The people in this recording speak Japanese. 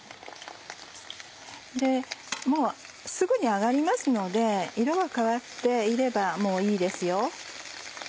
でもうすぐに揚がりますので色が変わっていればもういいですよ。